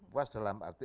puas dalam arti